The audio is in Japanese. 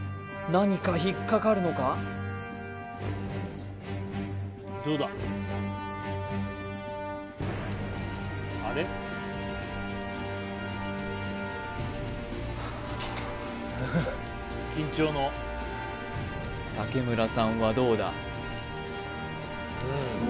何か引っかかるのか竹村さんはどうだ？